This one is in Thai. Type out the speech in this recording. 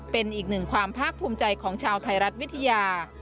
เป็นอีกหนึ่งความภาคภูมิใจของชาวไทยรัฐวิทยา